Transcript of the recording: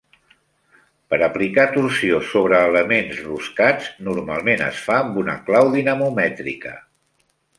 Per aplicar torsió sobre elements roscats normalment es fa amb una clau dinamomètrica.